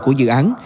của dự án